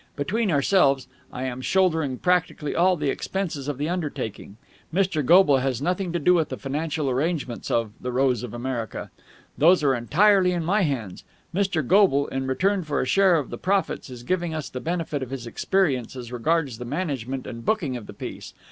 Between ourselves, I am shouldering practically all the expenses of the undertaking. Mr. Goble has nothing to do with the financial arrangements of 'The Rose of America.' Those are entirely in my hands. Mr. Goble, in return for a share in the profits, is giving us the benefit of his experience as regards the management and booking of the piece.